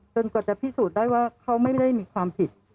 กว่าจะพิสูจน์ได้ว่าเขาไม่ได้มีความผิด